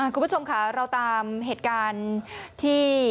คุณผู้ชมค่ะเราตามเหตุการณ์ที่